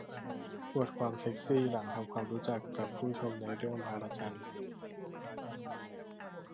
อวดความเซ็กซี่หลังทำความรู้จักกับผู้ชมในเรื่องบางระจัน